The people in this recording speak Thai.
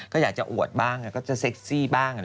ก็อยากจะอวดบ้างก็จะเซ็กซี่บ้าง